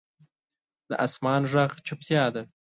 د اسمان ږغ چوپتیا ده.